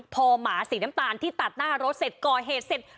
พอหมาสีน้ำตาลที่ตัดหน้ารถเสร็จก่อเหตุเสร็จ